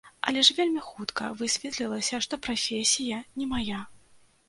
Але ж вельмі хутка высветлілася, што прафесія не мая.